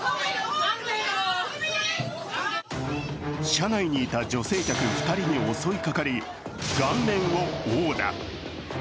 車内にいた女性客２人に遅いかかり顔面を殴打。